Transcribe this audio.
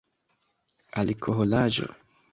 alkoholaĵo